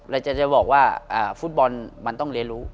เราจะบอกว่าฟุตบอลมันต้องเรียนรู้